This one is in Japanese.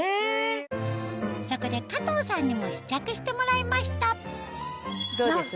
そこで加藤さんにも試着してもらいましたどうです？